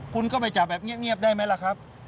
คุณก็ไปจับแบบเงียบได้ไหมล่ะครับ